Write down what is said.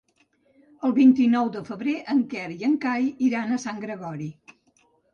El vint-i-nou de febrer en Quer i en Cai iran a Sant Gregori.